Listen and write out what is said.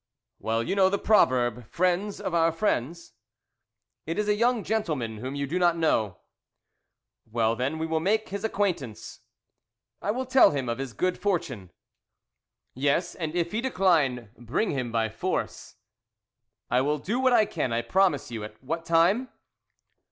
"Well, you know the proverb, 'Friends of our friends.'" "It is a young gentleman whom you do not know." "Well, then, we will make his acquaintance." "I will tell him of his good fortune." "Yes, and if he decline, bring him by force." "I will do what I can, I promise you. At what time?"